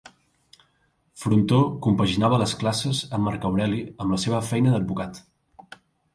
Frontó compaginava les classes amb Marc Aureli amb la seva feina d'advocat.